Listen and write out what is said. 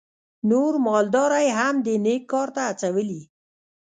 نور مالداره یې هم دې نېک کار ته هڅولي.